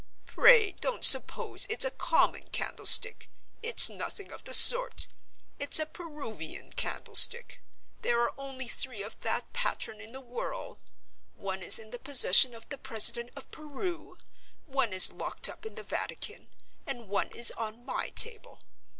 Pray don't suppose it's a common candlestick. It's nothing of the sort—it's a Peruvian candlestick. There are only three of that pattern in the world. One is in the possession of the President of Peru; one is locked up in the Vatican; and one is on My table.